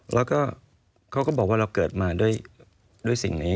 แล้วก็เขาก็บอกว่าเราเกิดมาด้วยสิ่งนี้